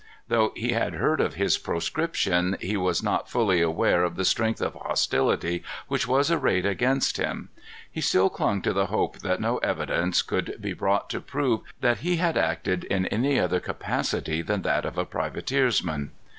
Though he had heard of his proscription, he was not fully aware of the strength of hostility which was arrayed against him. He still clung to the hope that no evidence could be brought to prove that he had acted in any other capacity than that of a privateersman.